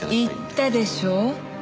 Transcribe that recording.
言ったでしょ。